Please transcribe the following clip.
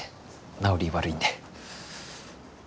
治り悪いんで